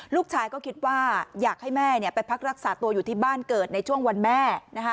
ลูกชายก็คิดว่าอยากให้แม่ไปพักรักษาตัวอยู่ที่บ้านเกิดในช่วงวันแม่